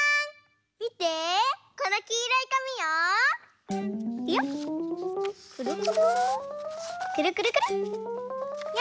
みてこのきいろいかみをいくよ